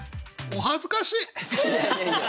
お恥ずかしい。